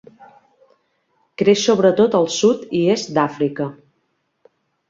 Creix sobretot al Sud i Est d'Àfrica.